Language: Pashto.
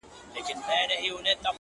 که دې د سترگو له سکروټو نه فناه واخلمه-